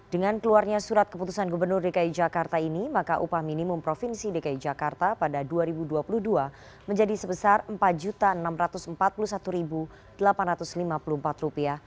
dengan keluarnya surat keputusan gubernur dki jakarta ini maka upah minimum provinsi dki jakarta pada dua ribu dua puluh dua menjadi sebesar rp empat enam ratus empat puluh satu delapan ratus lima puluh empat